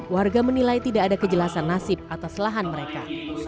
warga menilai tidak ada kejelasan nasib atas lahan mereka